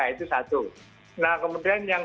itu satu nah kemudian yang